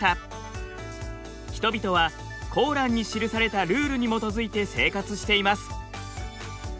人々はコーランに記されたルールに基づいて生活しています。